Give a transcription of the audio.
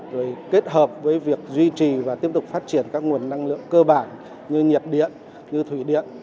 rồi kết hợp với việc duy trì và tiếp tục phát triển các nguồn năng lượng cơ bản như nhiệt điện như thủy điện